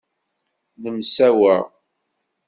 Nemsawa.